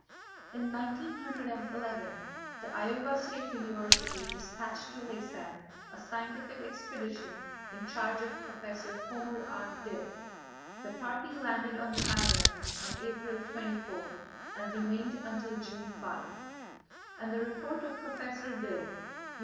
In 1911, the Iowa State University despatched to Laysan a scientific expedition in charge of Prof. Homer R. Dill. The party landed on the island on April 24 and remained until June 5, and the report of Professor Dill (U.